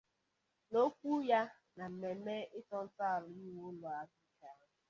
N'okwu ya na mmemme ịtọ ntọala iwu ụlọ ahụike ahụ